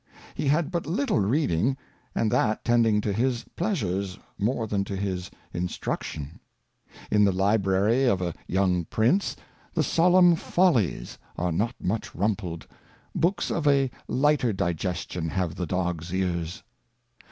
He had but little Reading, and that tending to his Pleasures more than to his Instruction. In the Library of a young Prince, the King Charles II. 189 the solemn Folios are not much rumpled^ Books of a lighter Digestion have the Dog's Ears.